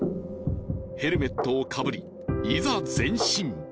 ヘルメットをかぶりいざ前進！